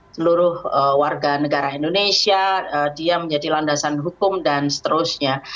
seluruh warga negara indonesia dia menjadi landasan hukum dan seterusnya